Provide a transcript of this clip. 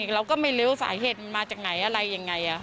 เราก็ไม่รู้ว่าสาเหตุมันมาจากไหนอะไรยังไง